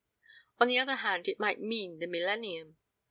On the other hand it might mean the millennium.